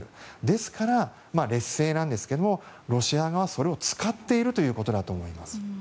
ですから、劣勢なんですけどロシア側はそれを使っているということだと思います。